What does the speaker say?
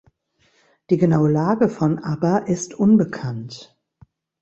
Die genaue Lage von Abba ist unbekannt.